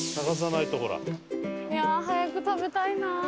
いやあ早く食べたいな。